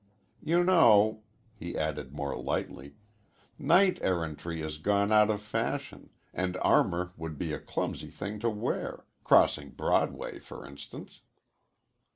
You know," he added, more lightly, "knight errantry has gone out of fashion, and armor would be a clumsy thing to wear crossing Broadway, for instance."